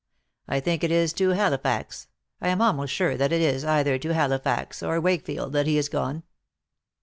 — I think it is to Halifax, I am almost sure that it is either to Halifax or Wakefield that he is gone."